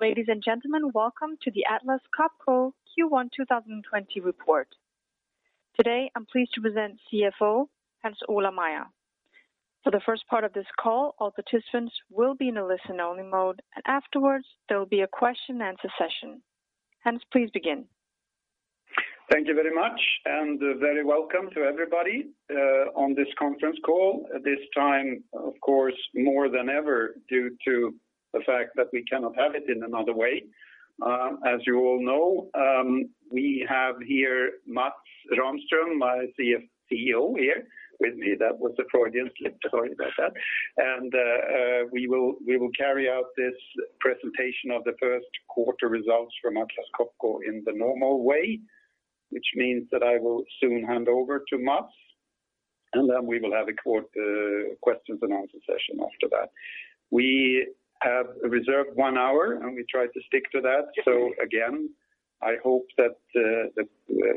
Ladies and gentlemen, welcome to the Atlas Copco Q1 2020 report. Today, I'm pleased to present CFO, Hans Ola Meyer. For the first part of this call, all participants will be in a listen-only mode, and afterwards, there will be a question -and-answer session. Hans, please begin. Thank you very much, welcome to everybody on this conference call this time, of course, more than ever, due to the fact that we cannot have it in another way. As you all know, we have here Mats Rahmström, my CFO here with me. That was a Freudian slip. Sorry about that. We will carry out this presentation of the first quarter results from Atlas Copco in the normal way, which means that I will soon hand over to Mats, and we will have a questions and answer session after that. We have reserved one hour, and we try to stick to that. Again, I hope that the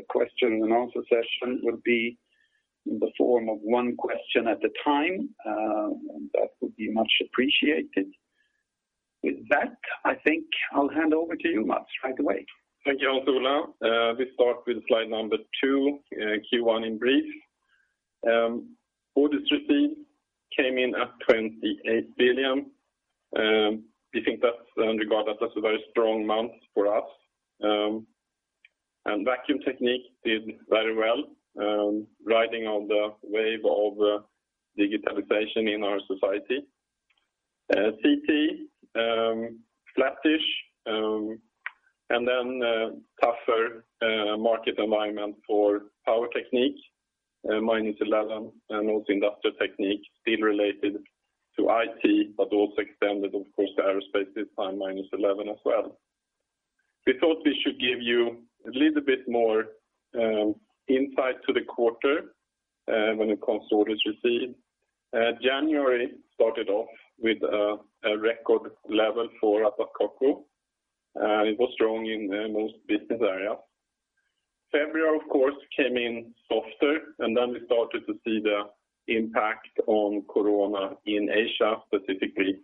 question and answer session will be in the form of one question at a time. That would be much appreciated. With that, I think I'll hand over to you, Mats, right away. Thank you, Hans Ola. We start with slide number two, Q1 in brief. Orders received came in at 28 billion. We regard that as a very strong month for us. Vacuum Technique did very well, riding on the wave of digitalization in our society. CT, flattish, a tougher market environment for Power Technique, -11%, Industrial Technique, still related to IT, but also extended, of course, to Aerospace this time, -11% as well. We thought we should give you a little bit more insight to the quarter when it comes to orders received. January started off with a record level for Atlas Copco. It was strong in most business areas. February, of course, came in softer. We started to see the impact of Corona in Asia, specifically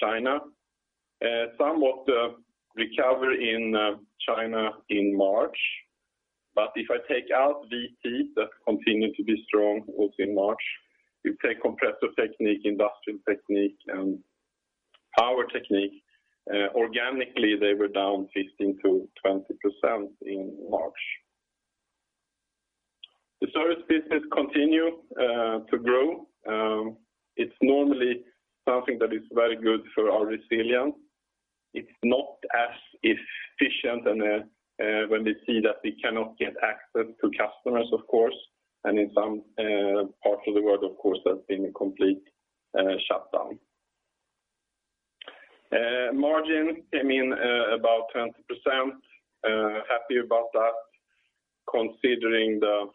China. Somewhat recovery in China in March, but if I take out VT, that continued to be strong also in March. If we take Compressor Technique, Industrial Technique, and Power Technique, organically, they were down 15%-20% in March. The service business continue to grow. It's normally something that is very good for our resilience. It's not as efficient when we see that we cannot get access to customers, of course, and in some parts of the world, of course, there's been a complete shutdown. Margin came in about 20%. Happy about that considering the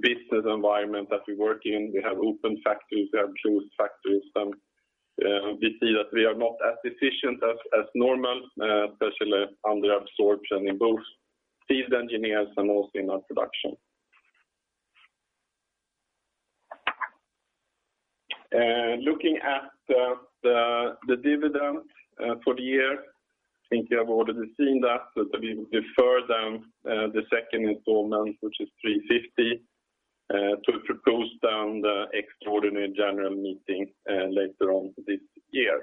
business environment that we work in. We have open factories, we have closed factories, and we see that we are not as efficient as normal, especially under absorption in both field engineers, and also in our production. Looking at the dividend for the year, I think you have already seen that, but we will defer the second installment, which is 3.50, to propose down the Extraordinary General Meeting later on this year.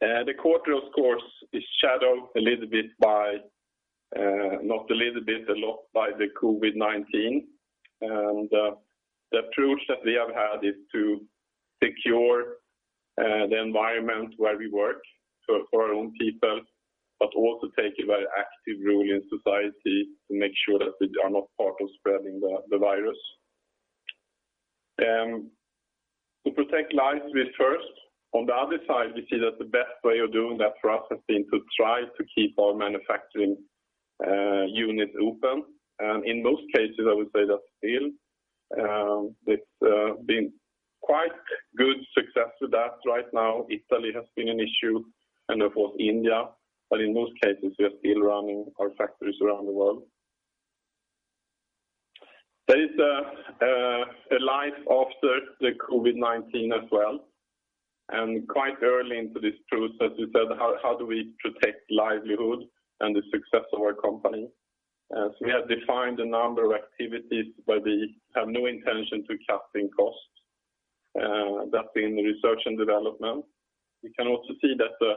The quarter, of course, is shadowed a lot by the COVID-19. The approach that we have had is to secure the environment where we work for our own people, but also take a very active role in society to make sure that we are not part of spreading the virus. To protect lives, on the other side, we see that the best way of doing that for us has been to try to keep our manufacturing units open. In most cases, I would say that still it's been quite good success with that right now. Italy has been an issue and, of course, India, but in most cases, we are still running our factories around the world. There is a life after the COVID-19 as well, and quite early into this truth, as we said, how do we protect livelihood and the success of our company? We have defined a number of activities where we have no intention to cutting costs. That's been research and development. We can also see that the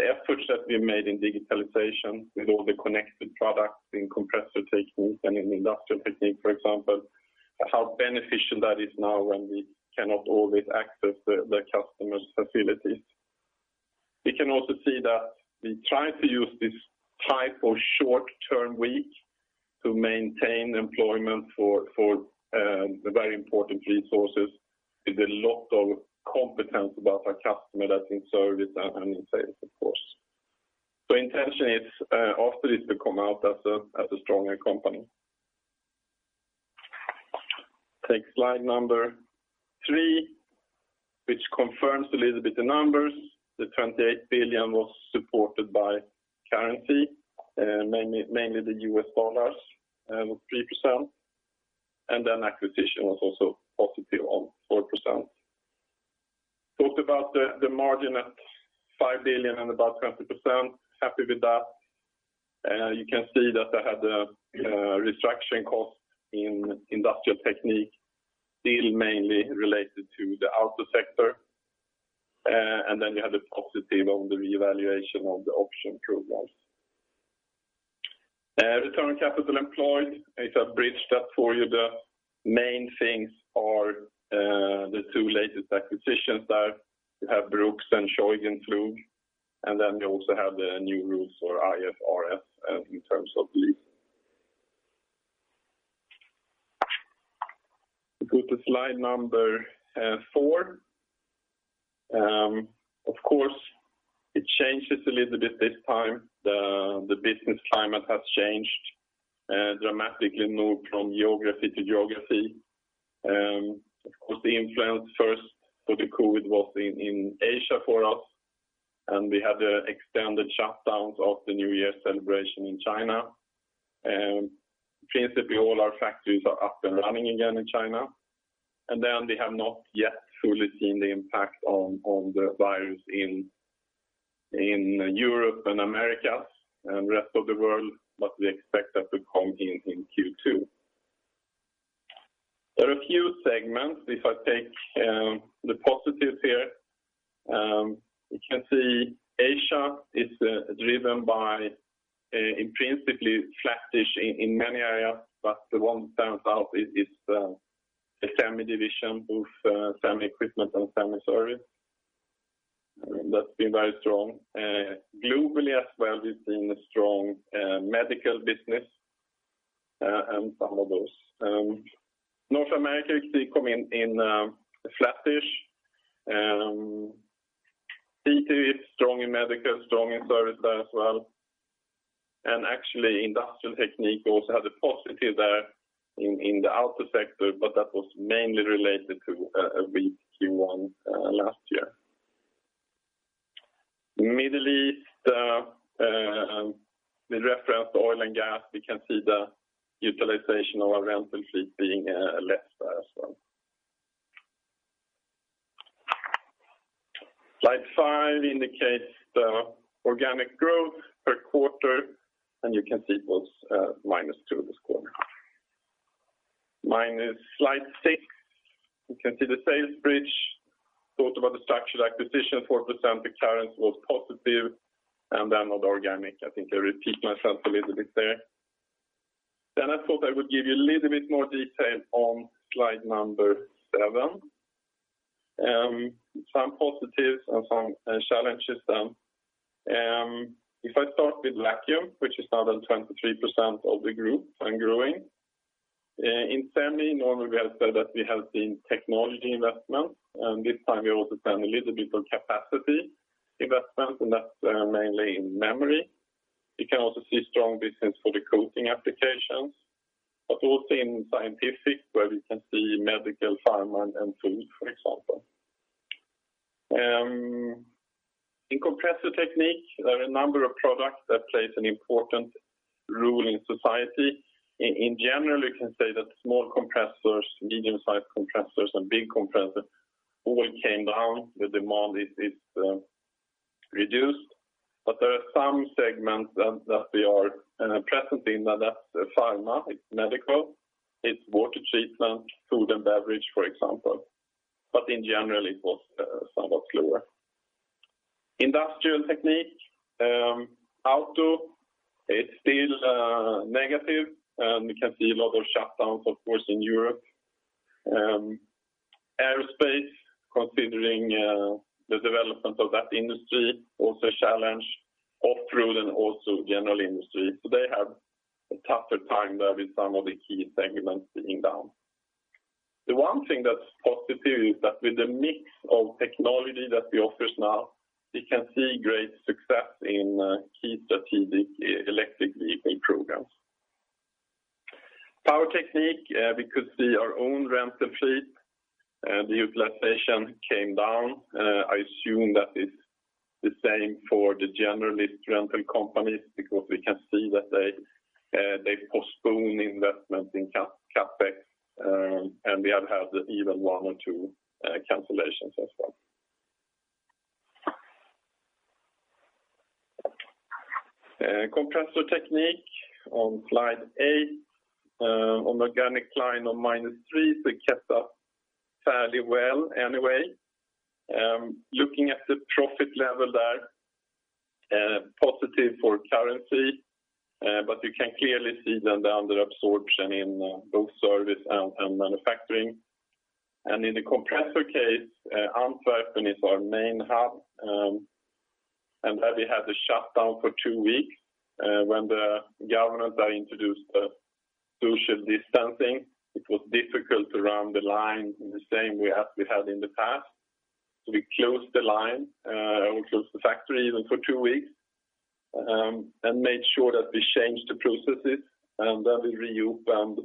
efforts that we've made in digitalization with all the connected products in Compressor Technique and in Industrial Technique, for example, how beneficial that is now when we cannot always access the customer's facilities. We can also see that we try to use this time for short-term week to maintain employment for the very important resources with a lot of competence about our customer that's in service and in sales, of course. Intention is, after this, to come out as a stronger company. Take slide number three, which confirms a little bit the numbers. The 28 billion was supported by currency, mainly the US dollars, 3%. Acquisition was also positive on 4%. Talked about the margin at 5 billion and about 20%, happy with that. You can see that I had a restructuring cost in Industrial Technique, still mainly related to the auto sector. You had the positive on the revaluation of the option programs. Return on capital employed, I bridged that for you. The main things are the two latest acquisitions there. You have Brooks and Scheugenpflug, and then you also have the new rules for IFRS in terms of lease. We go to slide number four. Of course, it changes a little bit this time. The business climate has changed dramatically from geography to geography. Of course, the influence first for the COVID-19 was in Asia for us, and we had the extended shutdowns of the new year celebration in China. Principally, all our factories are up and running again in China. We have not yet fully seen the impact of the virus in Europe and America and rest of the world, but we expect that to come in Q2. There are a few segments. If I take the positives here, you can see Asia is driven by principally flattish in many areas, but the one that stands out is the semi division, both semi equipment and semi service. That's been very strong. Globally as well, we've seen a strong medical business and some of those. North America, we see come in flattish. CT is strong in medical, strong in service there as well. Actually, Industrial Technique also had a positive there in the auto sector, but that was mainly related to a weak Q1 last year. Middle East, with reference to oil and gas, we can see the utilization of our rental fleet being less there as well. Slide five indicates the organic growth per quarter, and you can see it was minus two this quarter. Slide six, you can see the sales bridge. I thought about the structural acquisition, 4%, the current was positive, and then on the organic, I think I repeat myself a little bit there. I thought I would give you a little bit more detail on slide number seven. Some positives and some challenges then. If I start with Vacuum, which is now at 23% of the group and growing. In semi, normally we have said that we have seen technology investment. This time we also found a little bit of capacity investment. That's mainly in memory. We can also see strong business for the coating applications. Also in scientific, where we can see medical, pharma, and food, for example. In Compressor Technique, there are a number of products that plays an important role in society. In general, you can say that small compressors, medium-sized compressors, and big compressors all came down. The demand is reduced. There are some segments that we are present in, now that's pharma, it's medical, it's water treatment, food and beverage, for example. In general, it was somewhat slower. Industrial Technique. Auto, it's still negative. We can see a lot of shutdowns, of course, in Europe. Aerospace, considering the development of that industry, also a challenge. Off-road and also general industry. They have a tougher time there with some of the key segments being down. The one thing that's positive is that with the mix of technology that we offers now, we can see great success in key strategic electric vehicle programs. Power Technique, we could see our own rental fleet. The utilization came down. I assume that it's the same for the generalist rental companies because we can see that they postpone investment in CapEx, and we have had even one or two cancellations as well. Compressor Technique on slide eight. Organic line on minus three, it kept up fairly well anyway. Looking at the profit level there, positive for currency, you can clearly see the under absorption in both service and manufacturing. In the compressor case, Antwerp is our main hub, and there we had a shutdown for two weeks when the government there introduced the social distancing. It was difficult to run the line in the same way as we had in the past. We closed the line, or we closed the factory even for two weeks. Made sure that we changed the processes, and that we reopened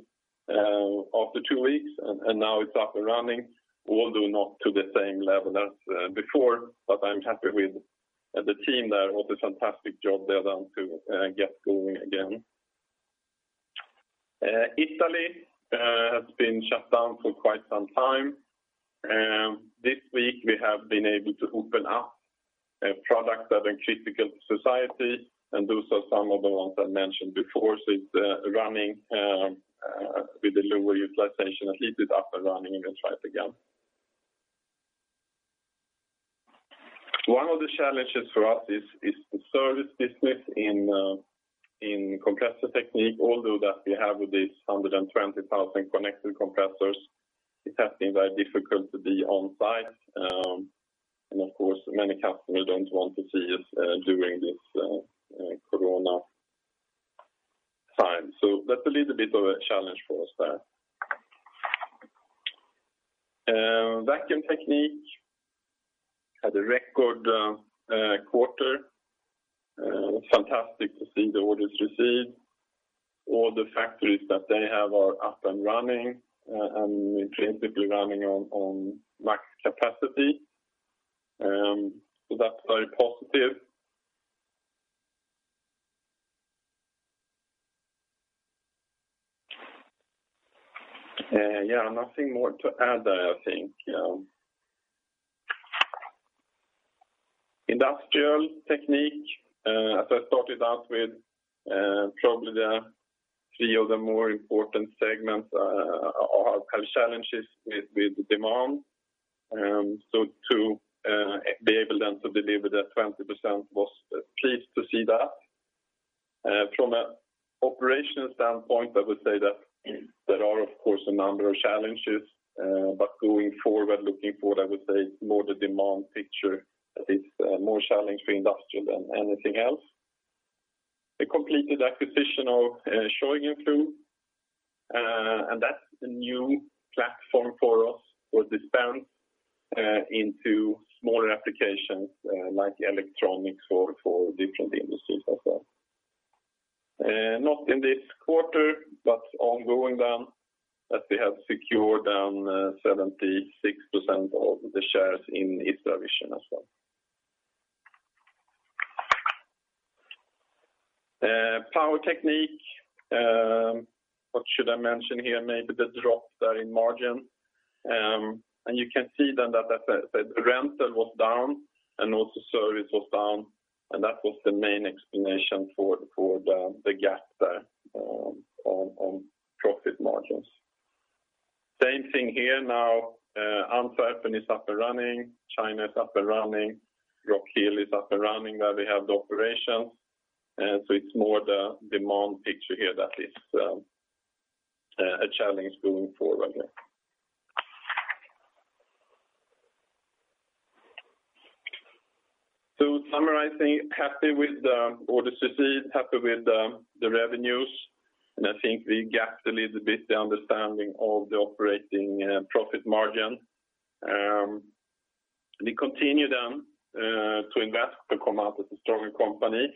after two weeks, and now it's up and running, although not to the same level as before. I'm happy with the team there, what a fantastic job they've done to get going again. Italy has been shut down for quite some time. This week, we have been able to open up products that are critical to society, and those are some of the ones I mentioned before. It's running with a lower utilization. At least it's up and running, and we'll try it again. One of the challenges for us is the service business in Compressor Technique, although that we have these 120,000 connected compressors, it has been very difficult to be on site. Of course, many customers don't want to see us during this corona time. That's a little bit of a challenge for us there. Vacuum Technique had a record quarter. Fantastic to see the orders received. All the factories that they have are up and running, and principally running on max capacity. That's very positive. Nothing more to add there, I think. Industrial Technique, as I started out with, probably the three of the more important segments have challenges with demand. To be able then to deliver that 20% was pleased to see that. From a operation standpoint, I would say that there are, of course, a number of challenges. Going forward, looking forward, I would say more the demand picture that is more challenging for Industrial than anything else. We completed acquisition of Scheugenpflug, and that's a new platform for us for dispense into smaller applications like electronics or for different industries as well. Not in this quarter, but ongoing then, that we have secured 76% of the shares in ISRA VISION as well. Power Technique, what should I mention here? Maybe the drop there in margin. You can see then that the rental was down, and also service was down, and that was the main explanation for the gap there on profit margins. Same thing here now, Antwerp is up and running, China is up and running, Rock Hill is up and running, where we have the operations. It's more the demand picture here that is a challenge going forward there. Summarizing, happy with the orders received, happy with the revenues. I think we gapped a little bit the understanding of the operating profit margin. We continue to invest to come out as a stronger company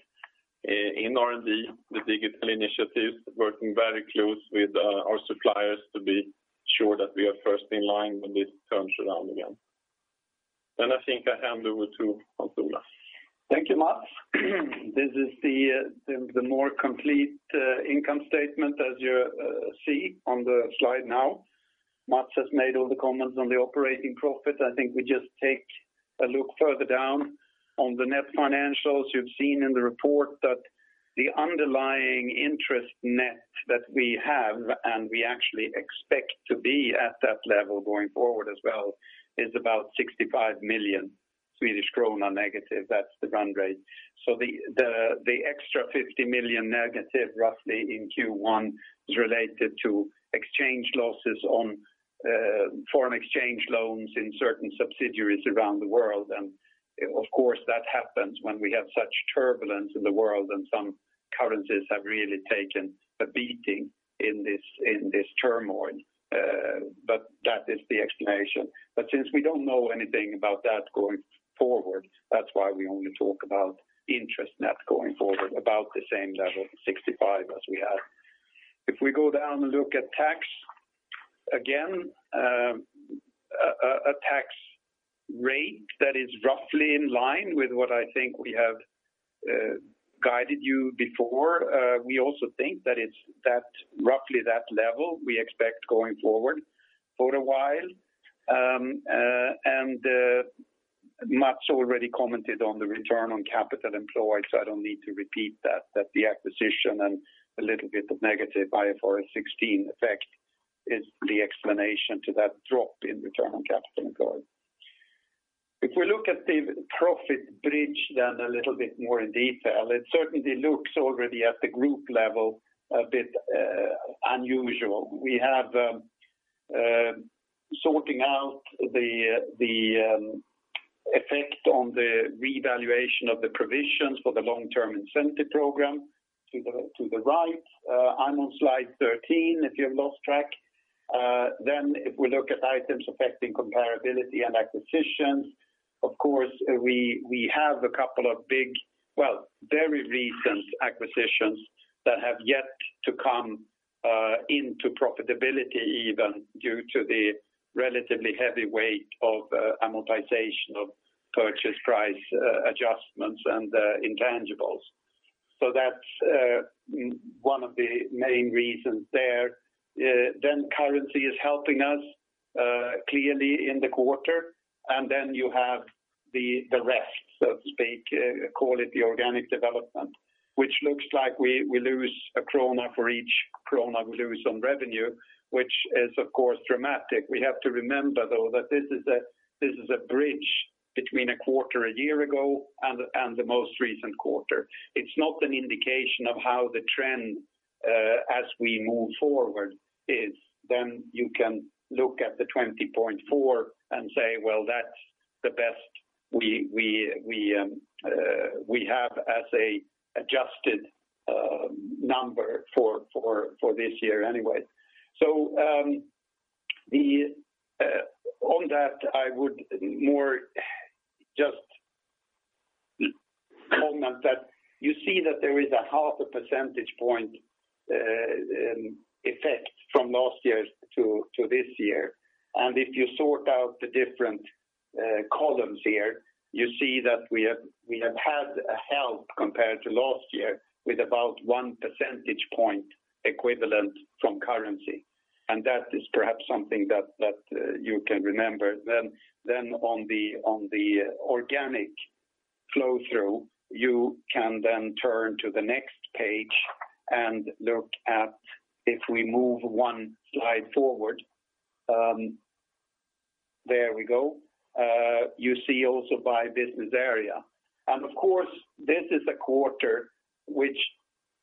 in R&D, the digital initiatives, working very close with our suppliers to be sure that we are first in line when this turns around again. I think I hand over to Hans Ola. Thank you, Mats. This is the more complete income statement as you see on the slide now. Mats has made all the comments on the operating profit. I think we just take a look further down on the net financials. You've seen in the report that the underlying interest net that we have, and we actually expect to be at that level going forward as well, is about 65 million Swedish krona negative. That's the run-rate. The extra 50 million negative roughly in Q1 is related to exchange losses on foreign exchange loans in certain subsidiaries around the world. Of course, that happens when we have such turbulence in the world, and some currencies have really taken a beating in this turmoil. That is the explanation. Since we don't know anything about that going forward, that's why we only talk about interest net going forward, about the same level, 65, as we had. If we go down and look at tax, again, a tax rate that is roughly in line with what I think we have guided you before. We also think that it's roughly that level we expect going forward for a while. Mats already commented on the return on capital employed, so I don't need to repeat that the acquisition and a little bit of negative IFRS 16 effect is the explanation to that drop in return on capital employed. If we look at the profit bridge then a little bit more in detail, it certainly looks already at the group level a bit unusual. We have sorting out the effect on the revaluation of the provisions for the long-term incentive program to the right. I'm on slide 13, if you have lost track. If we look at items affecting comparability and acquisitions, of course, we have a couple of big, very recent acquisitions that have yet to come into profitability even due to the relatively heavy weight of amortization of purchase price adjustments and intangibles. That's one of the main reasons there. Currency is helping us clearly in the quarter, and then you have the rest, so to speak, call it the organic development, which looks like we lose a krona for each krona we lose on revenue, which is, of course, dramatic. We have to remember, though, that this is a bridge between a quarter a year ago and the most recent quarter. It's not an indication of how the trend as we move forward is. You can look at the 20.4% and say, well, that's the best we have as an adjusted number for this year anyway. On that, I would more just comment that you see that there is a half a percentage point effect from last year to this year. If you sort out the different columns here, you see that we have had help compared to last year with about one percentage point equivalent from currency. That is perhaps something that you can remember. On the organic flow-through, you can then turn to the next page and look at, if we move one slide forward. There we go. You see also by business area. Of course, this is a quarter which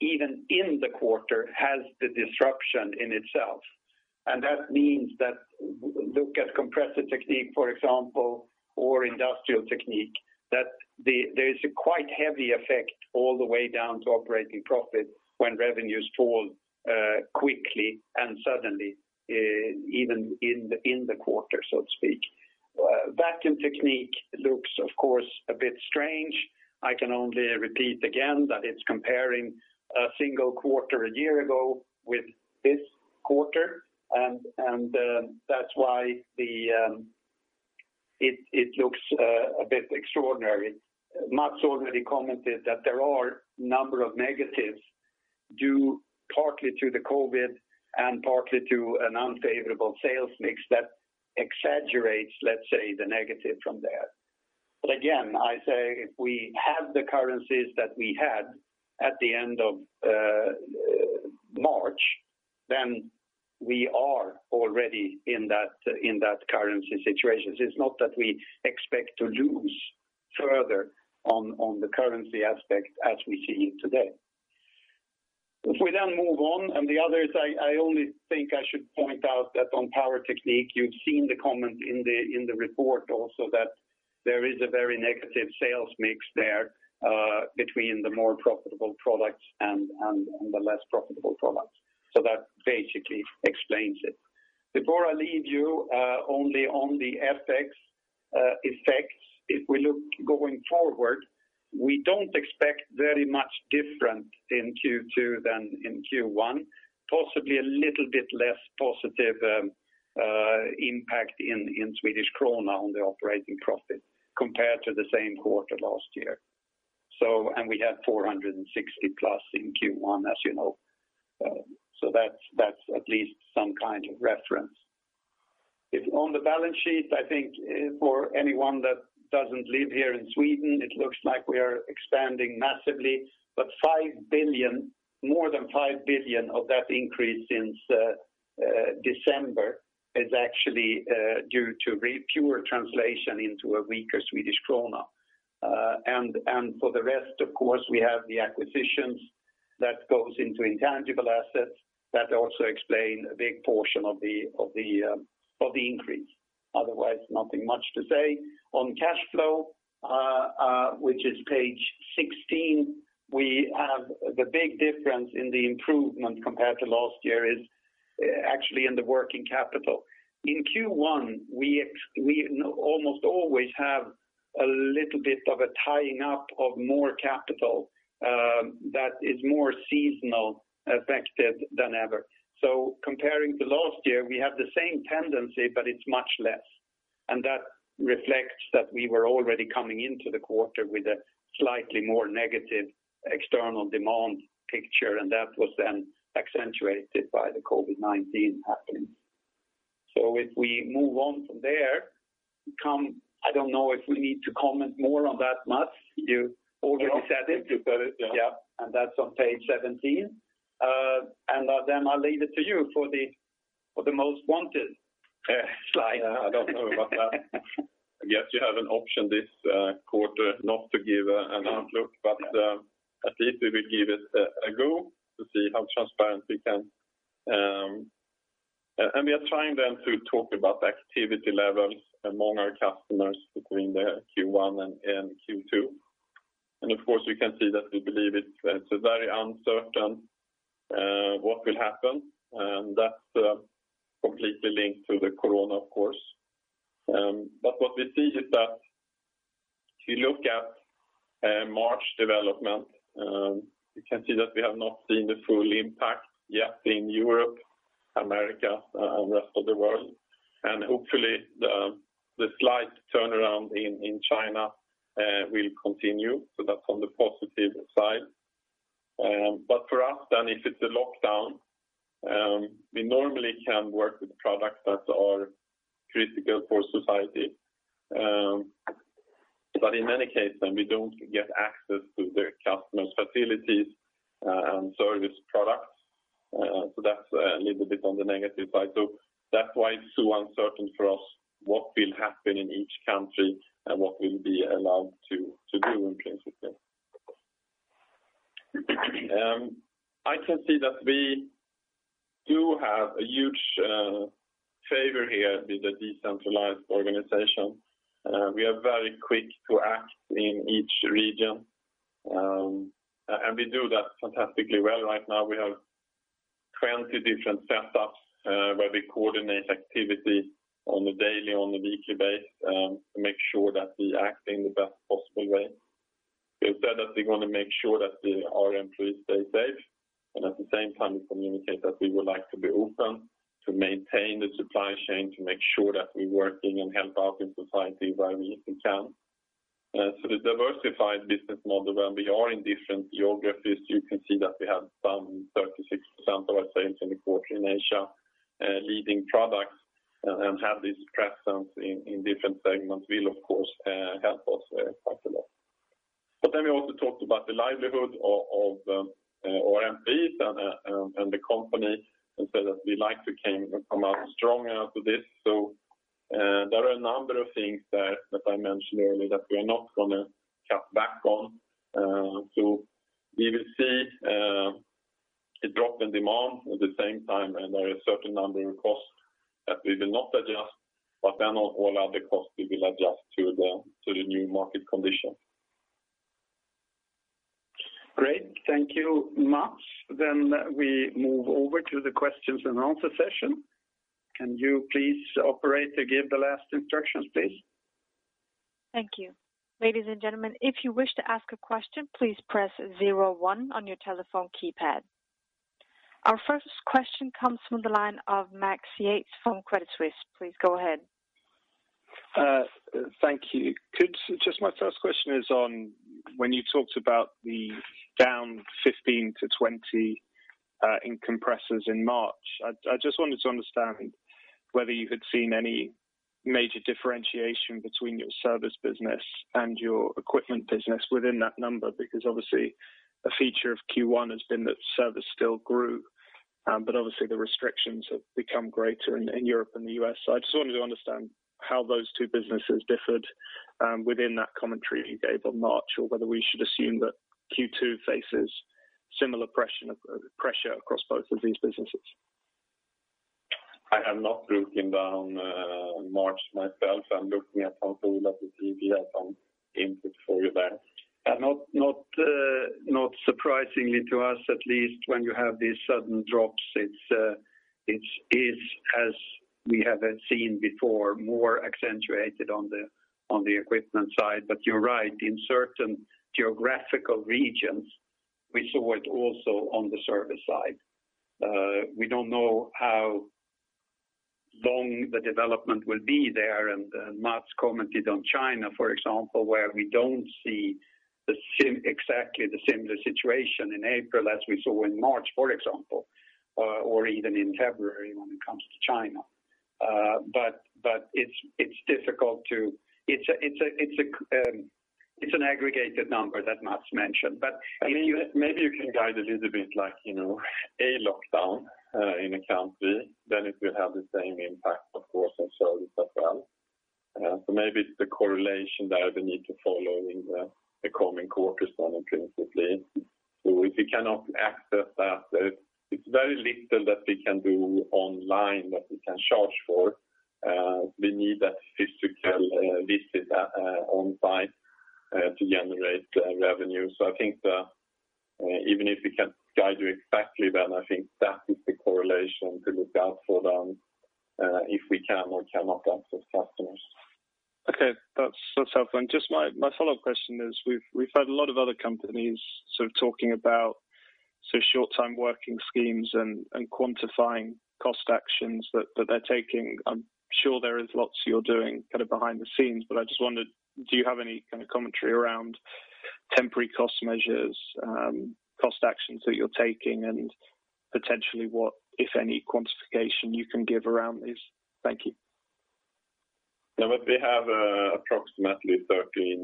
even in the quarter has the disruption in itself. That means that look at Compressor Technique, for example, or Industrial Technique, that there is a quite heavy effect all the way down to operating profit when revenues fall quickly and suddenly, even in the quarter, so to speak. Vacuum Technique looks, of course, a bit strange. I can only repeat again that it's comparing a single quarter a year ago with this quarter, and that's why it looks a bit extraordinary. Mats already commented that there are a number of negatives due partly to the COVID-19 and partly to an unfavorable sales mix that exaggerates, let's say, the negative from there. Again, I say if we have the currencies that we had at the end of March, then we are already in that currency situation. It's not that we expect to lose further on the currency aspect as we see it today. We then move on, the others, I only think I should point out that on Power Technique, you've seen the comment in the report also that there is a very negative sales mix there between the more profitable products and the less profitable products. That basically explains it. Before I leave you, only on the FX effects, we look going forward, we don't expect very much different in Q2 than in Q1, possibly a little bit less positive impact in Swedish krona on the operating profit compared to the same quarter last year. We had 460+ in Q1, as you know. That's at least some kind of reference. On the balance sheet, I think for anyone that doesn't live here in Sweden, it looks like we are expanding massively, but more than 5 billion of that increase since December is actually due to pure translation into a weaker Swedish krona. For the rest, of course, we have the acquisitions that goes into intangible assets that also explain a big portion of the increase. Otherwise, nothing much to say. On cash flow, which is page 16, we have the big difference in the improvement compared to last year is actually in the working capital. In Q1, we almost always have a little bit of a tying up of more capital that is more seasonal affected than ever. Comparing to last year, we have the same tendency, but it's much less. That reflects that we were already coming into the quarter with a slightly more negative external demand picture, and that was then accentuated by the COVID-19 happening. If we move on from there, I don't know if we need to comment more on that, Mats. You already said it. No. You've got it. Yeah. That's on page 17. Then I'll leave it to you for the most wanted slide. I don't know about that. I guess you have an option this quarter not to give an outlook, but at least we will give it a go to see how transparent we can. We are trying then to talk about the activity levels among our customers between the Q1 and Q2. Of course, you can see that we believe it's very uncertain what will happen, and that's completely linked to the COVID-19, of course. What we see is that if you look at March development, you can see that we have not seen the full impact yet in Europe, America, and rest of the world. Hopefully, the slight turnaround in China will continue, so that's on the positive side. For us then, if it's a lockdown, we normally can work with products that are critical for society. In many cases, we don't get access to the customer's facilities and service products. That's a little bit on the negative side. That's why it's so uncertain for us what will happen in each country and what we'll be allowed to do in principle. I can see that we do have a huge favor here with a decentralized organization. We are very quick to act in each region, and we do that fantastically well. Right now, we have 20 different setups, where we coordinate activity on a daily, on a weekly basis, to make sure that we act in the best possible way. We've said that we want to make sure that our employees stay safe, and at the same time, we communicate that we would like to be open to maintain the supply chain, to make sure that we're working and help out in society where we can. The diversified business model, where we are in different geographies, you can see that we have some 36% of our sales in the quarter in Asia, leading products, and have this presence in different segments will, of course, help us quite a lot. We also talked about the livelihood of our MPs and the company, and said that we like to come out stronger after this. There are a number of things there that I mentioned earlier that we are not going to cut back on. We will see a drop in demand at the same time, and there are a certain number of costs that we will not adjust, but then all other costs we will adjust to the new market condition. Great. Thank you, Mats. We move over to the questions-and-answer session. Can you please, operator, give the last instructions, please? Thank you. Ladies and gentlemen, if you wish to ask a question, please press zero one on your telephone keypad. Our first question comes from the line of Max Yates from Credit Suisse. Please go ahead. Thank you. My first question is on when you talked about the down 15%-20% in compressors in March, I just wanted to understand whether you had seen any major differentiation between your service business and your equipment business within that number, because obviously a feature of Q1 has been that service still grew, but obviously the restrictions have become greater in Europe and the U.S. I just wanted to understand how those two businesses differed within that commentary you gave on March, or whether we should assume that Q2 faces similar pressure across both of these businesses. I have not broken down March myself. I'm looking at some data to give some input for you there. Not surprisingly to us, at least when you have these sudden drops, it is as we have seen before, more accentuated on the equipment side. You're right, in certain geographical regions, we saw it also on the service side. We don't know how long the development will be there, and Mats commented on China, for example, where we don't see exactly the similar situation in April as we saw in March, for example, or even in February when it comes to China. It's an aggregated number that Mats mentioned. Maybe you can guide a little bit like, a lockdown in a country, it will have the same impact, of course, on service as well. Maybe it's the correlation there we need to follow in the coming quarters then, principally. If you cannot access that, it's very little that we can do online that we can charge for. We need that physical visit on site to generate revenue. I think even if we can't guide you exactly, I think that is the correlation to look out for then, if we can or cannot access customers. Okay. That's helpful. Just my follow-up question is, we've heard a lot of other companies talking about short-time working schemes and quantifying cost actions that they're taking. I'm sure there is lots you're doing behind the scenes, but I just wondered, do you have any kind of commentary around temporary cost measures, cost actions that you're taking and potentially what, if any, quantification you can give around this? Thank you. We have approximately 39,000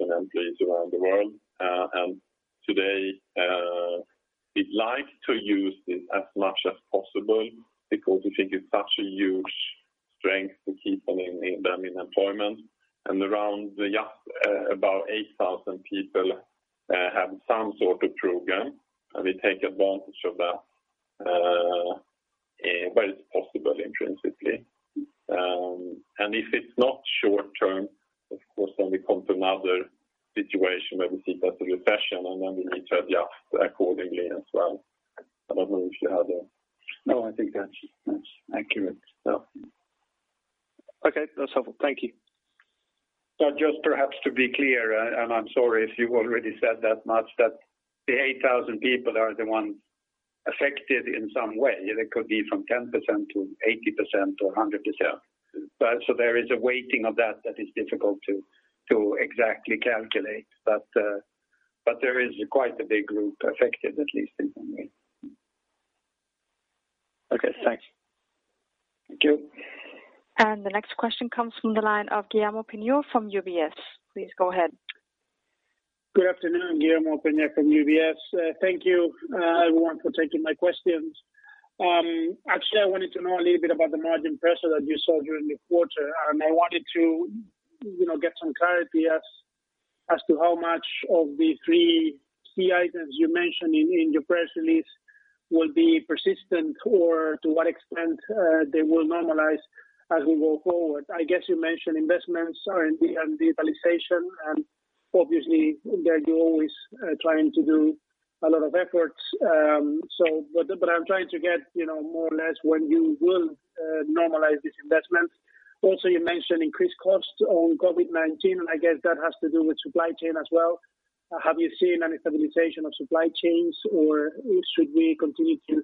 employees around the world. Today, we'd like to use this as much as possible because we think it's such a huge strength to keep them in employment. Around just about 8,000 people have some sort of program, and we take advantage of that. It's possible intrinsically. If it's not short-term, of course, then we come to another situation where we think that's a recession, and then we need to adjust accordingly as well. I don't know if you have a... No, I think that's accurate. Okay. That's all. Thank you. Just perhaps to be clear, and I'm sorry if you've already said that much, that the 8,000 people are the ones affected in some way. It could be from 10%-80% or 100%. Yeah. There is a weighting of that is difficult to exactly calculate. There is quite a big group affected, at least in some way. Okay, thanks. Thank you. The next question comes from the line of Guillermo Pena from UBS. Please go ahead. Good afternoon, Guillermo Pena from UBS. Thank you everyone for taking my questions. I wanted to know a little bit about the margin pressure that you saw during the quarter. I wanted to get some clarity as to how much of the three key items you mentioned in your press release will be persistent, or to what extent they will normalize as we move forward. I guess you mentioned investments in R&D and digitalization, and obviously there you're always trying to do a lot of efforts. I'm trying to get more or less when you will normalize these investments. You mentioned increased costs on COVID-19, and I guess that has to do with supply chain as well. Have you seen any stabilization of supply chains, or should we continue to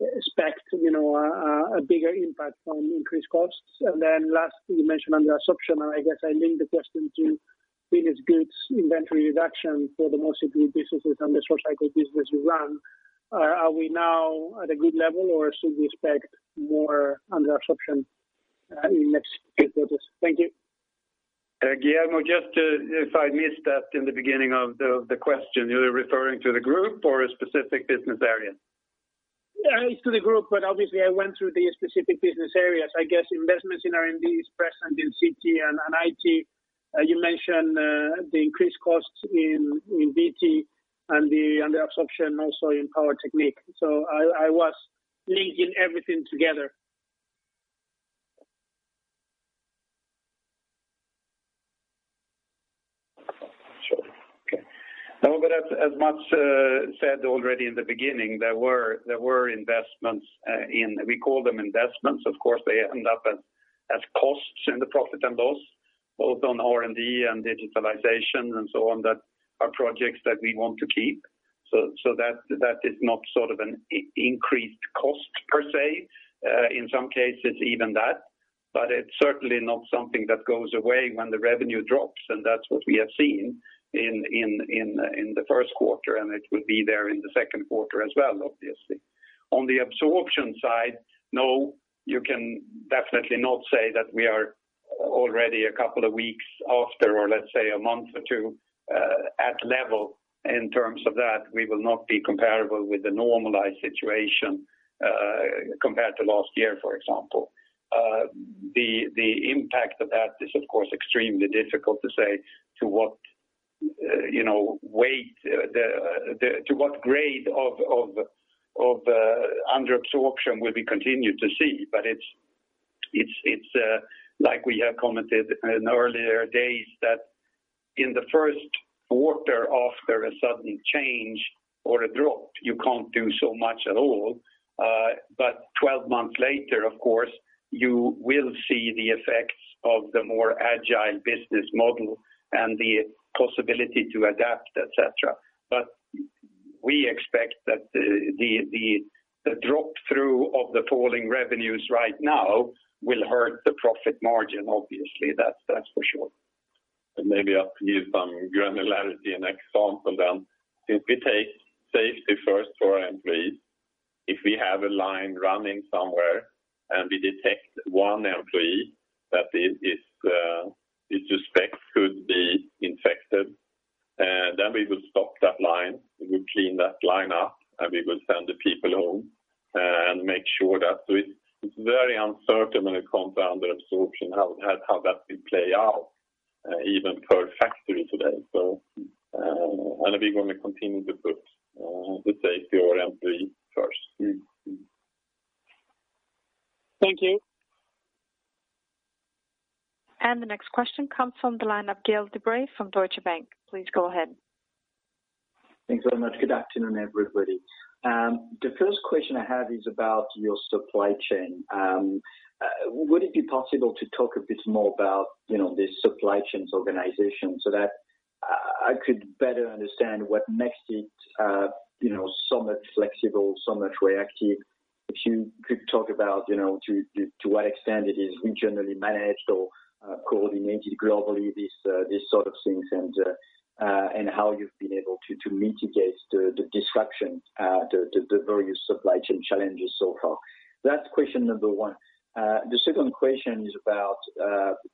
expect a bigger impact on increased costs? Lastly, you mentioned under absorption, and I guess I link the question to finished goods inventory reduction for the most affected businesses and the short cycle business you run. Are we now at a good level, or should we expect more under absorption in the next few quarters? Thank you. Guillermo, just if I missed that in the beginning of the question, you're referring to the group or a specific business area? It's to the group, but obviously I went through the specific business areas. I guess investments in R&D is present in CT and IT. You mentioned the increased costs in PT and the under absorption also in Power Technique. I was linking everything together. Sure. Okay. As Mats said already in the beginning, there were investments. We call them investments. Of course, they end up as costs in the profit and loss, both on R&D and digitalization and so on, that are projects that we want to keep. That is not sort of an increased cost per se. In some cases, even that. It's certainly not something that goes away when the revenue drops, and that's what we have seen in the first quarter, and it will be there in the second quarter as well, obviously. On the absorption side, you can definitely not say that we are already a couple of weeks after, or let's say a month or two, at level in terms of that. We will not be comparable with the normalized situation compared to last year, for example. The impact of that is, of course, extremely difficult to say to what grade of under absorption will we continue to see. It's like we have commented in earlier days that in the first quarter after a sudden change or a drop, you can't do so much at all. 12 months later, of course, you will see the effects of the more agile business model and the possibility to adapt, et cetera. We expect that the drop through of the falling revenues right now will hurt the profit margin, obviously. That's for sure. I'll give some granularity and example then. If we take safety first for our employees, if we have a line running somewhere and we detect one employee that we suspect could be infected, we will stop that line, we will clean that line up, we will send the people home. It's very uncertain when it comes down to absorption, how that will play out, even per factory today. We're going to continue to put the safety of our employees first. Thank you. The next question comes from the line of Gael de Bray from Deutsche Bank. Please go ahead. Thanks very much. Good afternoon, everybody. The first question I have is about your supply chain. Would it be possible to talk a bit more about this supply chains organization, so that I could better understand what makes it so much flexible, so much reactive? If you could talk about to what extent it is regionally managed or coordinated globally, these sort of things, and how you've been able to mitigate the disruption, the various supply chain challenges so far. That's question number one. The second question is about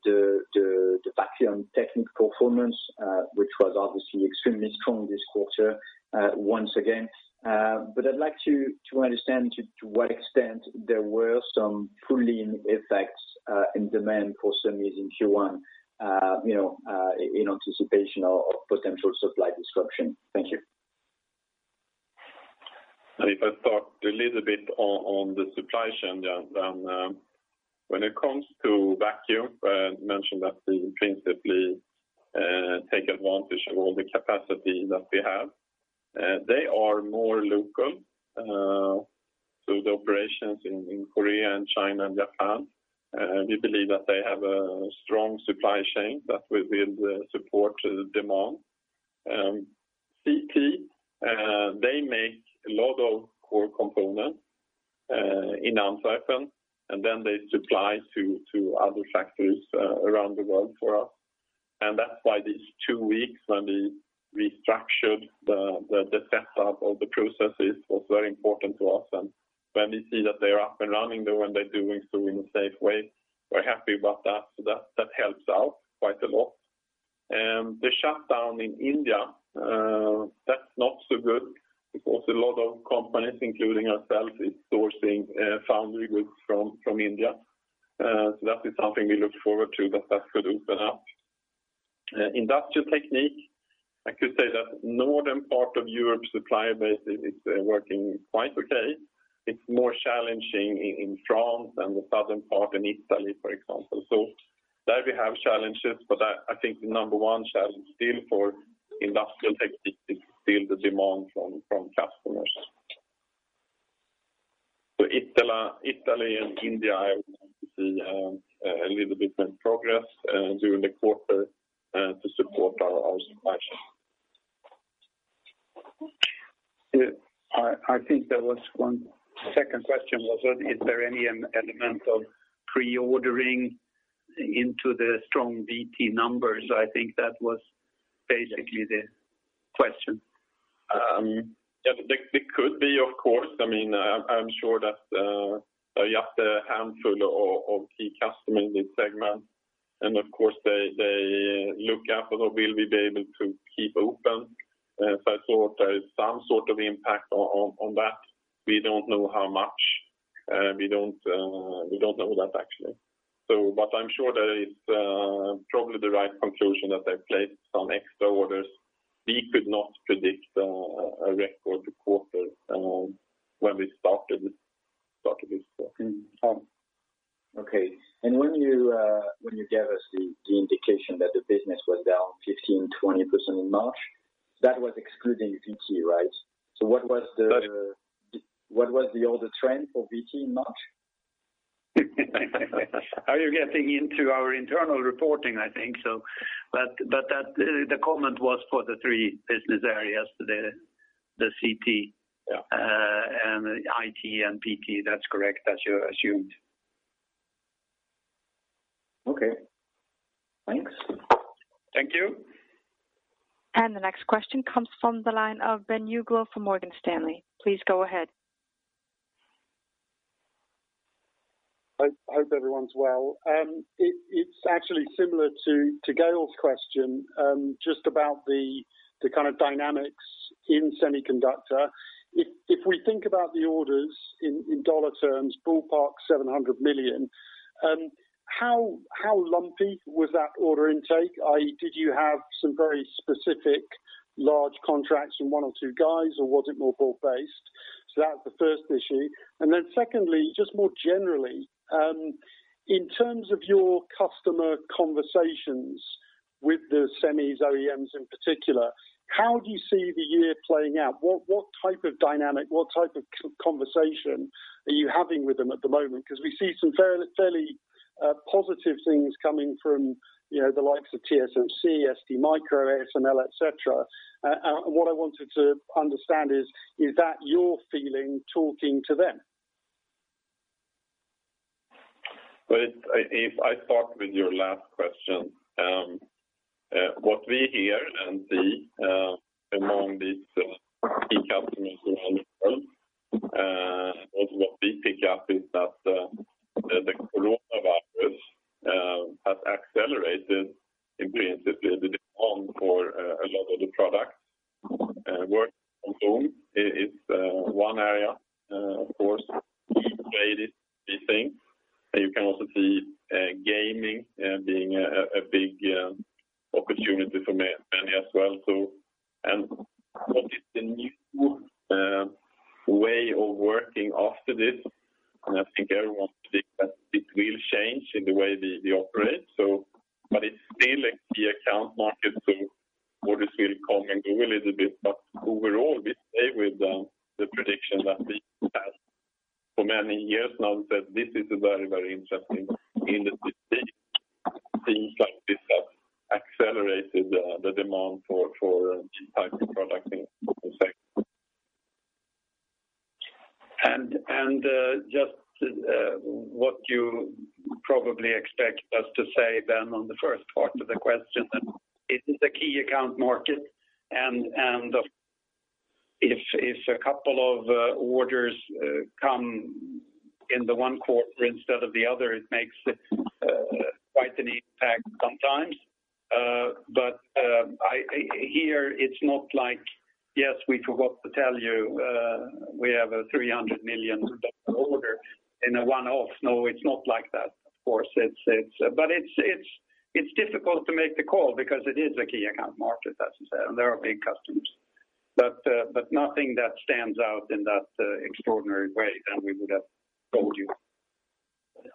the Vacuum Technique performance, which was obviously extremely strong this quarter once again. I'd like to understand to what extent there were some pull-in effects in demand for semis in Q1 in anticipation of potential supply disruption. Thank you. If I start a little bit on the supply chain then when it comes to vacuum, I mentioned that we principally take advantage of all the capacity that we have. They are more local. The operations in Korea and China and Japan, we believe that they have a strong supply chain that will build support to the demand. CT, they make a lot of core components in Antwerp, then they supply to other factories around the world for us. That's why these two weeks when we restructured the setup of the processes was very important to us. When we see that they're up and running, and when they're doing so in a safe way, we're happy about that. That helps out quite a lot. The shutdown in India, that's not so good because a lot of companies, including ourselves, is sourcing foundry goods from India. That is something we look forward to, that could open up. Industrial Technique, I could say that northern part of Europe's supplier base is working quite okay. It's more challenging in France than the southern part, in Italy, for example. There we have challenges, but I think the number one challenge still for Industrial Technique is still the demand from customers. Italy and India, I would like to see a little bit more progress during the quarter to support our supply chain. I think there was one second question was, is there any element of pre-ordering into the strong VT numbers? I think that was basically the question. It could be, of course. I'm sure that just a handful of key customers in this segment, and of course, they look after, will we be able to keep open? I thought there is some sort of impact on that. We don't know how much. We don't know that actually. I'm sure that it's probably the right conclusion that they've placed some extra orders. We could not predict a record quarter when we started this quarter. Okay. When you gave us the indication that the business was down 15%-20% in March, that was excluding VT, right? What was the order trend for VT in March? Now you're getting into our internal reporting, I think so. The comment was for the three business areas. Yeah IT and PT. That's correct, as you assumed. Okay. Thanks. Thank you. The next question comes from the line of Ben Uglow from Morgan Stanley. Please go ahead. I hope everyone's well. It's actually similar to Gael's question, just about the kind of dynamics in semiconductor. If we think about the orders in dollar terms, ballpark $700 million, how lumpy was that order intake? Did you have some very specific large contracts from one or two guys, or was it more broad-based? That's the first issue. Secondly, just more generally, in terms of your customer conversations with the semis OEMs in particular, how do you see the year playing out? What type of dynamic, what type of conversation are you having with them at the moment? We see some fairly positive things coming from the likes of TSMC, STMicro, ASML, et cetera. What I wanted to understand is that your feeling talking to them? If I start with your last question, what we hear and see among these key customers also what we pick up is that the coronavirus has accelerated, principally, the demand for a lot of the products. Working from home is one area, of course, created these things. You can also see gaming being a big opportunity for many as well. What is the new way of working after this? I think everyone thinks that it will change in the way they operate, but it's still a key account market, so orders will come and go a little bit. Overall, we stay with the prediction that we have for many years now that this is a very interesting industry. Things like this have accelerated the demand for these types of products in the sector. Just what you probably expect us to say, Ben, on the first part of the question, it is a key account market, and if a couple of orders come in the one quarter instead of the other, it makes it quite an impact sometimes. Here it's not like, "Yes, we forgot to tell you, we have a 300 million order in a one-off." No, it's not like that, of course. It's difficult to make the call because it is a key account market, as you said, and there are big customers. Nothing that stands out in that extraordinary way that we would have told you.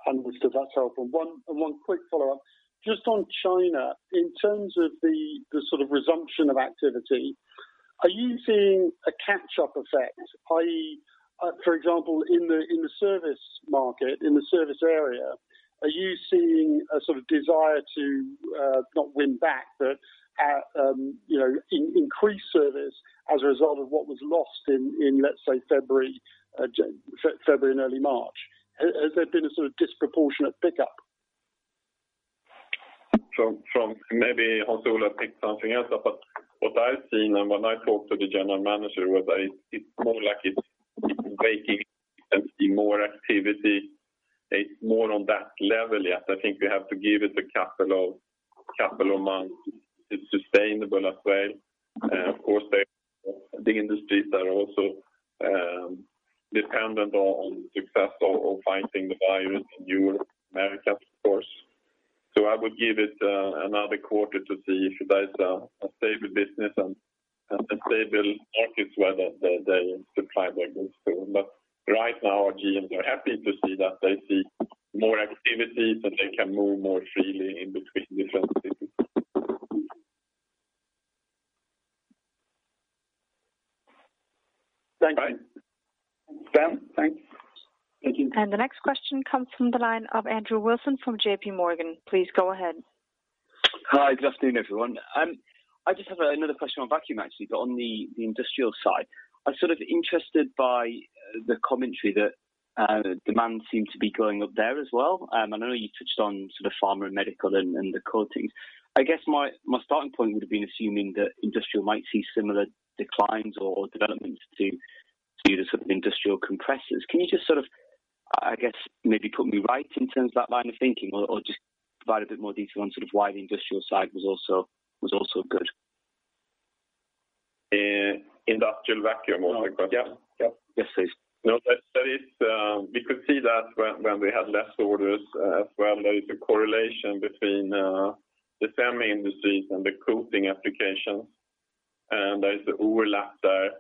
Understood. That's helpful. One quick follow-up, just on China, in terms of the sort of resumption of activity, are you seeing a catch-up effect? I, for example, in the service market, in the service area, are you seeing a sort of desire to, not win back, but increase service as a result of what was lost in let's say, February and early March? Has there been a sort of disproportionate pickup? Maybe Hans Ola picked something else up, but what I've seen, and when I talked to the general manager, was it's more like it's waking and see more activity. It's more on that level, yes. I think we have to give it a couple of months. It's sustainable as well. Of course, the industries are also dependent on success of fighting the virus in Europe, America, of course. I would give it another quarter to see if there's a stable business and stable markets where they supply their goods to. Right now, our GMs are happy to see that they see more activities and they can move more freely in between different cities. Thank you. Right. Sam, thanks. Thank you. The next question comes from the line of Andrew Wilson from JPMorgan. Please go ahead. Hi. Good afternoon, everyone. I just have another question on vacuum, actually, on the industrial side. I'm sort of interested by the commentary that demand seemed to be going up there as well. I know you touched on sort of pharma and medical and the coatings. I guess my starting point would've been assuming that industrial might see similar declines or developments to the sort of industrial compressors. Can you just sort of, I guess, maybe correct me, right, in terms of that line of thinking or just provide a bit more detail on sort of why the industrial side was also good? In industrial vacuum Yes. Yes, please. We could see that when we had less orders, as well. There is a correlation between the semi industries and the coating applications, and there's an overlap there,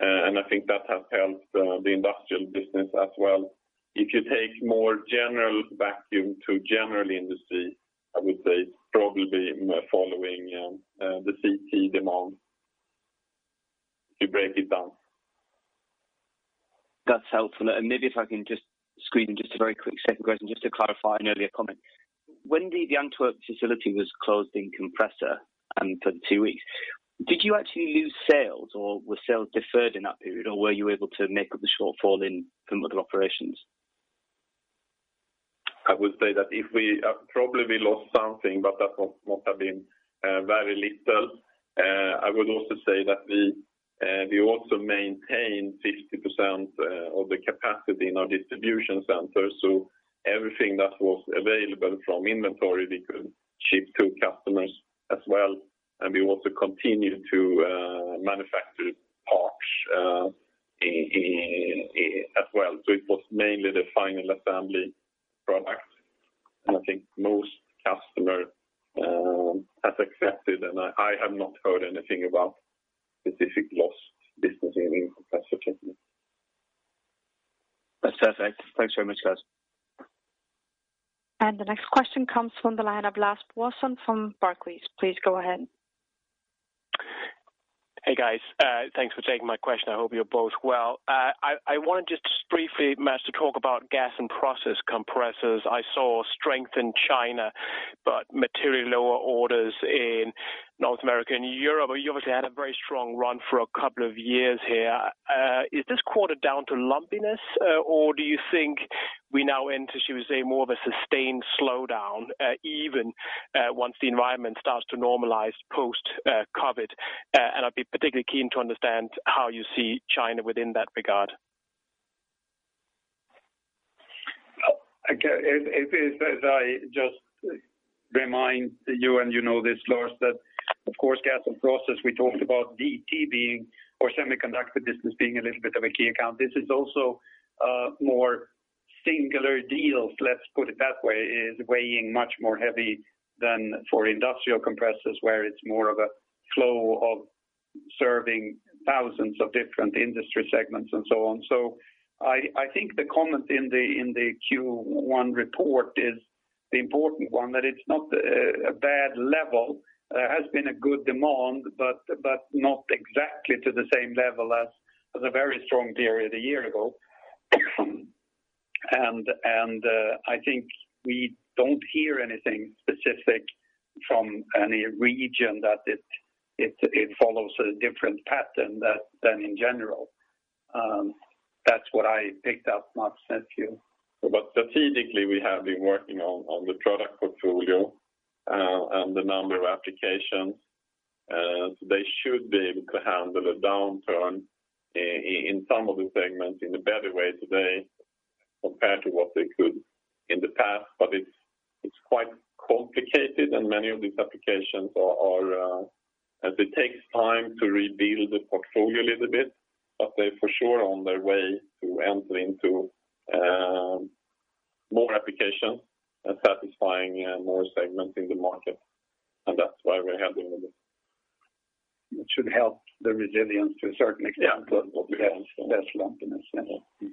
and I think that has helped the industrial business as well. If you take more general vacuum to general industry, I would say it's probably more following the CT demand, to break it down. That's helpful. Maybe if I can just squeeze in just a very quick second question just to clarify an earlier comment. When the Antwerp facility was closed in Compressor for the two weeks, did you actually lose sales, or were sales deferred in that period, or were you able to make up the shortfall from other operations? I would say that probably we lost something, but that must have been very little. I would also say that we also maintained 50% of the capacity in our distribution center, so everything that was available from inventory we could ship to customers as well, and we also continued to manufacture parts as well. It was mainly the final assembly product, and I think most customers have accepted, and I have not heard anything about specific lost business in Compressor Technique. That's perfect. Thanks very much, guys. The next question comes from the line of Lars Brorson from Barclays. Please go ahead. Hey, guys. Thanks for taking my question. I hope you're both well. I want to just briefly, Mats, to talk about gas and process compressors. I saw strength in China, materially lower orders in North America. Year-over-year you obviously had a very strong run for a couple of years here. Is this quarter down to lumpiness, or do you think we now enter, should we say, more of a sustained slowdown, even once the environment starts to normalize post-COVID-19? I'd be particularly keen to understand how you see China within that regard. Again, as I just remind you, and you know this, Lars, that of course, gas and process, we talked about VT being, or semiconductor business being a little bit of a key account. This is also more singular deals, let's put it that way, is weighing much more heavy than for industrial compressors, where it's more of a flow of serving thousands of different industry segments and so on. I think the comment in the Q1 report is the important one, that it's not a bad level. There has been a good demand, but not exactly to the same level as the very strong period a year ago. I think we don't hear anything specific from any region that it follows a different pattern than in general. That's what I picked up, Mats, don't you? Strategically, we have been working on the product portfolio, and the number of applications. They should be able to handle a downturn in some of the segments in a better way today compared to what they could in the past. It's quite complicated, and many of these applications are... It takes time to rebuild the portfolio a little bit, but they're for sure on their way to enter into more applications and satisfying more segments in the market, and that's why we have the order. It should help the resilience to a certain extent. Yeah what we have, less lumpiness, yeah.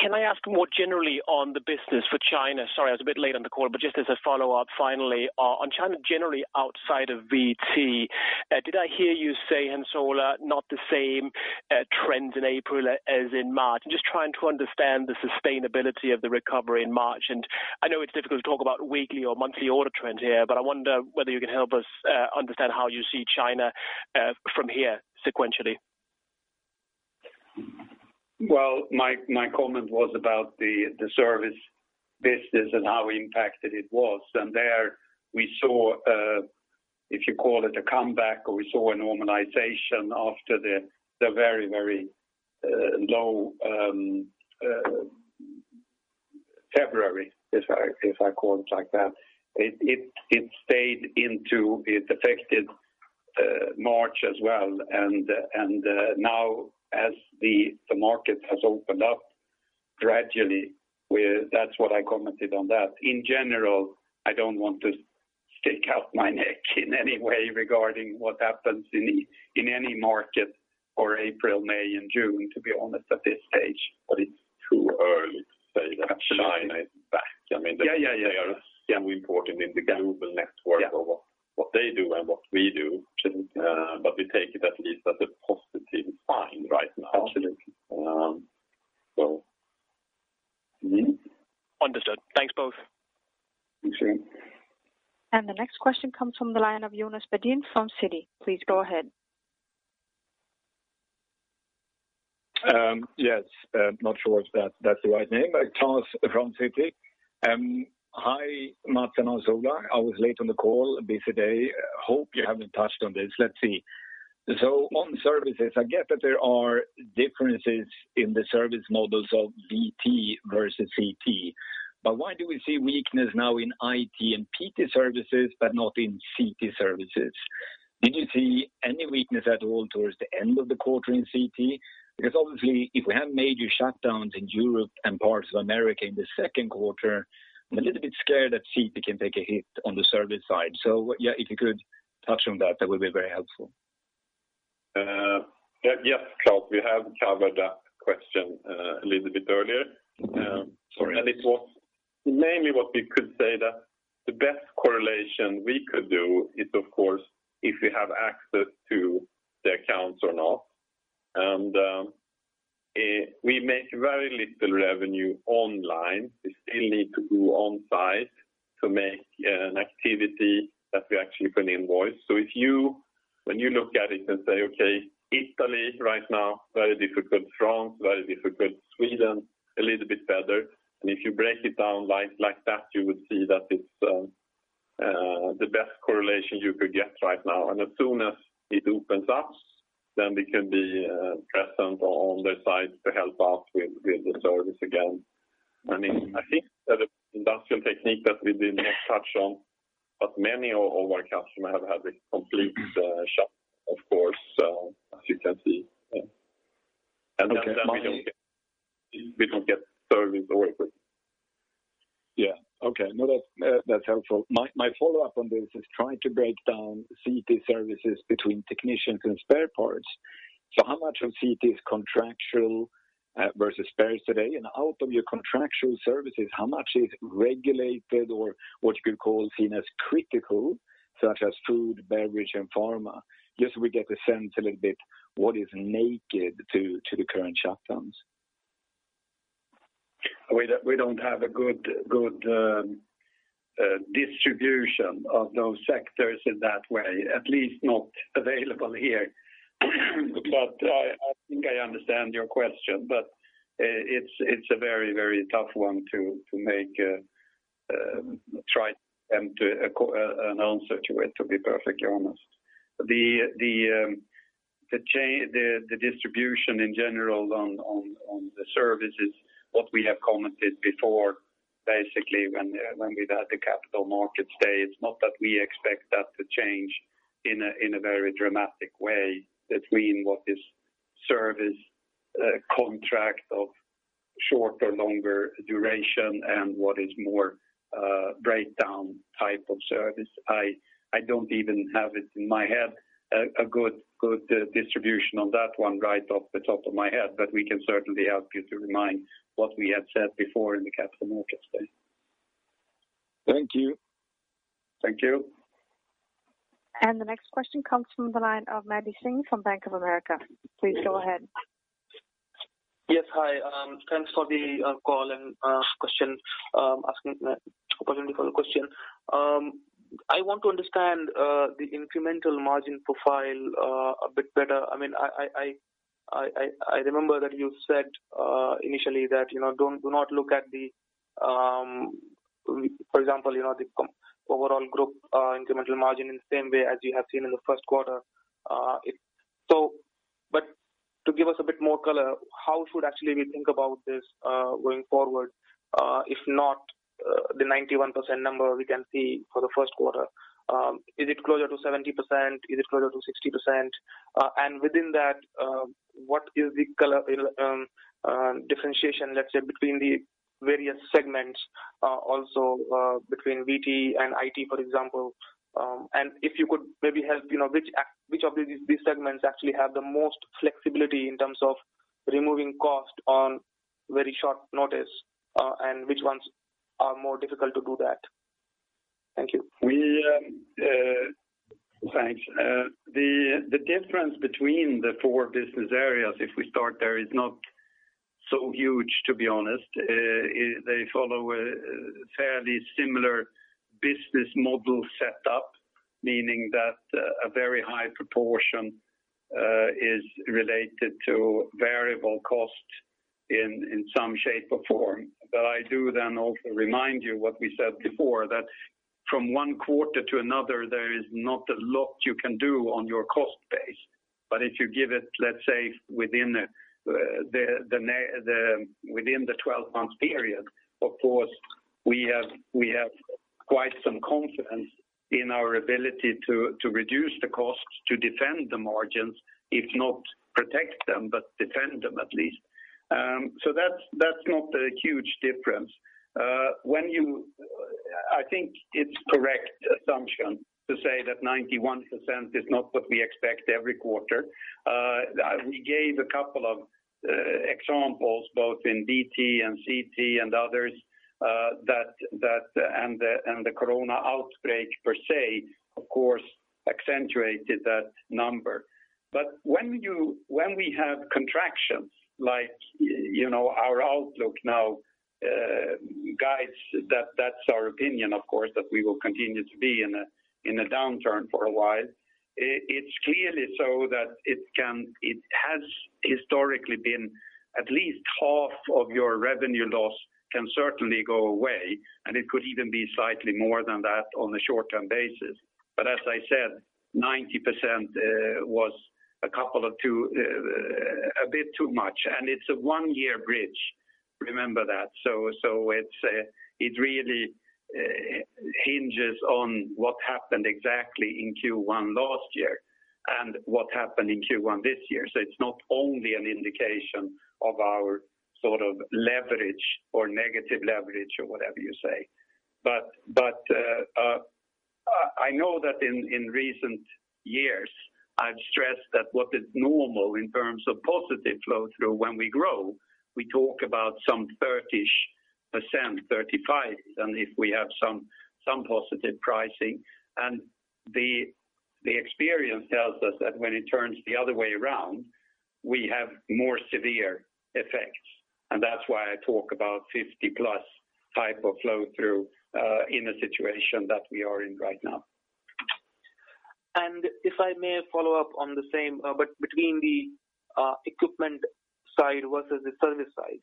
Can I ask more generally on the business for China? Sorry, I was a bit late on the call, just as a follow-up, finally, on China, generally outside of VT, did I hear you say, Hans Ola, not the same trends in April as in March? I'm just trying to understand the sustainability of the recovery in March, I know it's difficult to talk about weekly or monthly order trends here, I wonder whether you can help us understand how you see China from here sequentially. Well, my comment was about the service business and how impacted it was. There we saw, if you call it a comeback, or we saw a normalization after the very low February, if I call it like that. It affected March as well, and now as the market has opened up gradually, that's what I commented on that. In general, I don't want to stick out my neck in any way regarding what happens in any market for April, May, and June, to be honest, at this stage. It's too early to say that China is back. Absolutely. Yeah. I mean, they are so important in the global network. Yeah ...of what they do and what we do. We take it at least as a positive sign right now. Absolutely. Mm-hmm. Understood. Thanks, both. Thanks to you. The next question comes from the line of Jonas Baden from Citi. Please go ahead. Yes. Not sure if that's the right name, but Charles from Citi. Hi, Mats and Hans Ola. I was late on the call, a busy day. Hope you haven't touched on this. Let's see. On services, I get that there are differences in the service models of VT versus CT. Why do we see weakness now in IT and PT services, but not in CT services? Did you see any weakness at all towards the end of the quarter in CT? Obviously, if we have major shutdowns in Europe and parts of America in the second quarter, I'm a little bit scared that CT can take a hit on the service side. Yeah, if you could touch on that would be very helpful. Yes, Charles, we have covered that question a little bit earlier. Sorry. It was mainly what we could say that the best correlation we could do is, of course, if we have access to the accounts or not. We make very little revenue online. We still need to go on site to make an activity that we actually can invoice. When you look at it and say, okay, Italy right now, very difficult. France, very difficult. Sweden, a little bit better. If you break it down like that, you would see that it's the best correlation you could get right now. As soon as it opens up, we can be present on the site to help out with the service again. I think that Industrial Technique that we did not touch on, but many of our customers have had a complete shut, of course, as you can see. Okay. We don't get service away with. Yeah. Okay. No, that's helpful. My follow-up on this is trying to break down CT services between technicians and spare parts. How much of CT is contractual versus spares today? Out of your contractual services, how much is regulated or what you could call seen as critical, such as food, beverage, and pharma? Just so we get the sense a little bit what is naked to the current shutdowns. We don't have a good distribution of those sectors in that way, at least not available here. But I think I understand your question, but it's a very tough one to make, try to announce it, to be perfectly honest. The distribution in general on the service is what we have commented before, basically, when we'd had the Capital Markets Day. It's not that we expect that to change in a very dramatic way between what is service contract of shorter, longer duration and what is more breakdown type of service. I don't even have it in my head, a good distribution on that one right off the top of my head, but we can certainly help you to remind what we had said before in the Capital Markets Day. Thank you. Thank you. The next question comes from the line of Madhu Singh from Bank of America. Please go ahead. Yes. Hi. Thanks for the call and asking the opportunity for the question. I want to understand the incremental margin profile a bit better. I remember that you said initially that do not look at the, for example, the overall group incremental margin in the same way as you have seen in the first quarter. To give us a bit more color, how should actually we think about this going forward? If not the 91% number we can see for the first quarter, is it closer to 70%? Is it closer to 60%? Within that, what is the color differentiation, let's say, between the various segments, also between VT and IT, for example? If you could maybe help, which of these segments actually have the most flexibility in terms of removing cost on very short notice, and which ones are more difficult to do that? Thank you. Thanks. The difference between the four business areas, if we start there, is not so huge, to be honest. They follow a fairly similar business model set up, meaning that a very high proportion is related to variable cost in some shape or form. I do then also remind you what we said before, that from one quarter to another, there is not a lot you can do on your cost base. If you give it, let's say, within the 12 months period, of course, we have quite some confidence in our ability to reduce the costs to defend the margins, if not protect them, but defend them at least. That's not a huge difference. I think it's correct assumption to say that 91% is not what we expect every quarter. We gave a couple of examples, both in VT and CT and others, and the corona outbreak per se, of course, accentuated that number. When we have contractions like our outlook now guides, that's our opinion, of course, that we will continue to be in a downturn for a while. It's clearly so that it has historically been at least half of your revenue loss can certainly go away, and it could even be slightly more than that on a short-term basis. As I said, 90% was a bit too much, and it's a one-year bridge. Remember that. It really hinges on what happened exactly in Q1 last year and what happened in Q1 this year. It's not only an indication of our sort of leverage or negative leverage or whatever you say. I know that in recent years, I've stressed that what is normal in terms of positive flow through when we grow, we talk about some 30%ish, 35% even if we have some positive pricing. The experience tells us that when it turns the other way around, we have more severe effects. That's why I talk about 50%+ type of flow through in a situation that we are in right now. If I may follow up on the same, but between the equipment side versus the service side,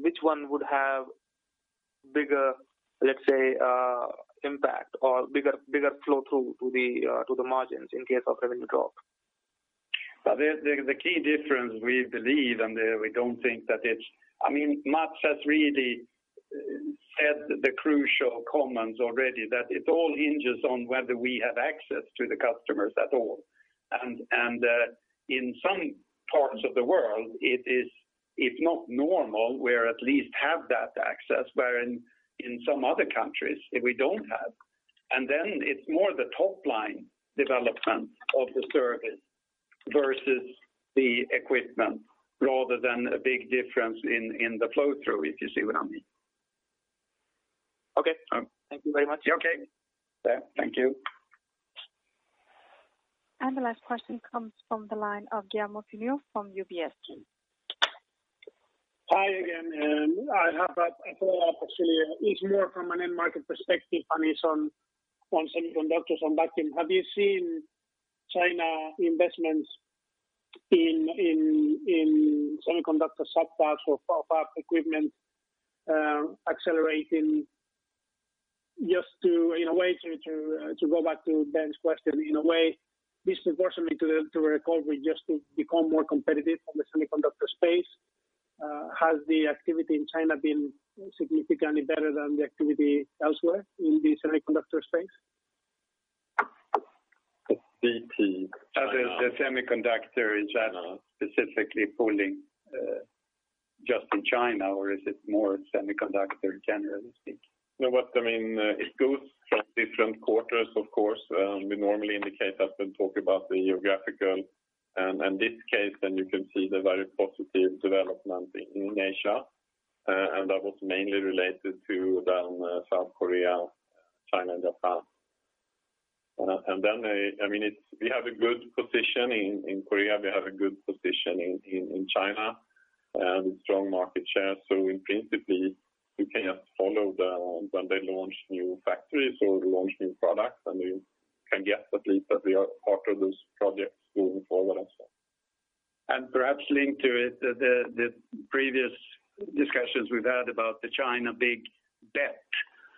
which one would have bigger, let's say, impact or bigger flow through to the margins in case of revenue drop? The key difference we believe. Mats has really said the crucial comments already, that it all hinges on whether we have access to the customers at all. In some parts of the world, it's not normal where at least have that access, where in some other countries, we don't have. It's more the top line development of the service versus the equipment rather than a big difference in the flow through, if you see what I mean. Okay. Thank you very much. Okay. Thank you. The last question comes from the line of Guillermo Pena from UBS. Hi again, and I have a follow-up actually. It's more from an end market perspective, and it's on semiconductors on that theme. Have you seen China investments in semiconductor sub-parts or Fab equipment accelerating just to, in a way, to go back to Ben's question, in a way, disproportionately to a recovery just to become more competitive on the semiconductor space? Has the activity in China been significantly better than the activity elsewhere in the semiconductor space? The semiconductor, is that specifically pulling just in China, or is it more semiconductor, generally speaking? No, what I mean, it goes from different quarters, of course. We normally indicate that when talk about the geographical and this case, you can see the very positive development in Asia. That was mainly related to South Korea, China, and Japan. We have a good position in Korea, we have a good position in China, and strong market share. In principle, we can follow them when they launch new factories or launch new products, and we can guess at least that we are part of those projects moving forward as well. Perhaps linked to it, the previous discussions we've had about the China big bet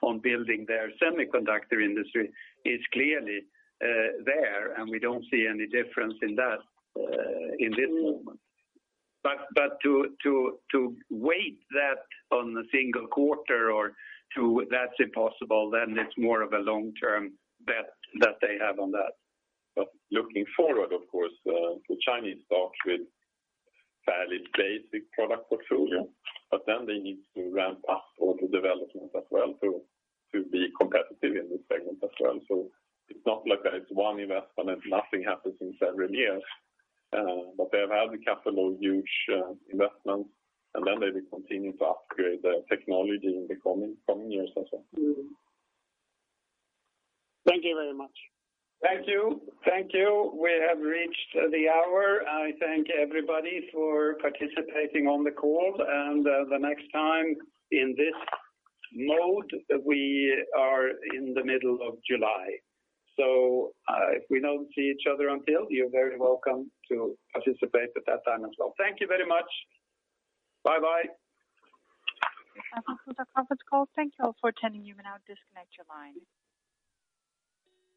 on building their semiconductor industry is clearly there, and we don't see any difference in that in this moment. But to weight that on a single quarter or to that's impossible, then it's more of a long-term bet that they have on that. Looking forward, of course, the Chinese start with fairly basic product portfolio, but then they need to ramp up all the development as well to be competitive in this segment as well. It's not like it's one investment and nothing happens in several years, but they've had the capital, huge investments, and then they will continue to upgrade their technology in the coming years as well. Thank you very much. Thank you. We have reached the hour. I thank everybody for participating on the call. The next time in this mode, we are in the middle of July. If we don't see each other until, you're very welcome to participate at that time as well. Thank you very much. Bye-bye. That concludes our conference call. Thank you all for attending. You may now disconnect your line.